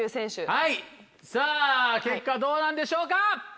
はいさぁ結果はどうなんでしょうか？